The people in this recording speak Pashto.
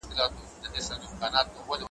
له شهبازونو هیري نغمې دي ,